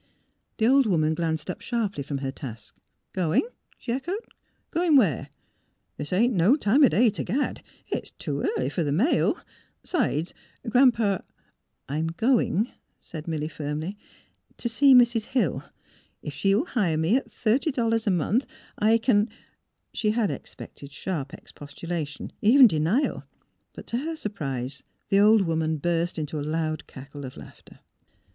The old woman glanced up sharply from her task. " Going! " she echoed. " Going where? This A NIGHT OF RAIN 107 ain't no time o' day t' gad; it's too early fer the mail. 'Sides, Gran 'pa " ''I'm going," said Milly, firmly, " to see Mrs. Hill. If she will hire me at thirty dollars a month I can " She had expected sharp expostulation, even de nial ; but to her surprise the old woman burst into a loud cackle of laughter.